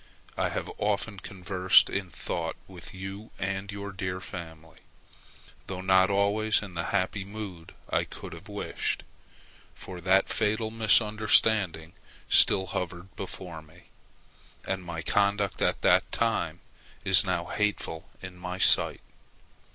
I have often conversed in thought with you and your dear family, though not always in the happy mood I could have wished, for that fatal misunderstanding still hovered before me, and my conduct at that time is now hateful in my sight.